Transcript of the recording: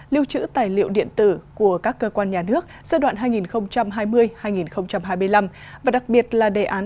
lưu trữ tài liệu điện tử của các cơ quan nhà nước giai đoạn hai nghìn hai mươi hai nghìn hai mươi năm và đặc biệt là đề án